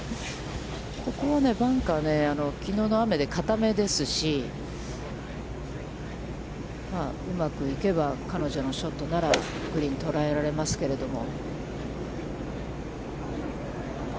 ここはね、バンカー、きのうの雨で固めですし、うまく行けば、彼女のショットなら、グリーンを捉えられますけれども。